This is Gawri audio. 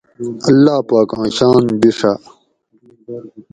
اللّہ پاکاں شان بِیڛاۤ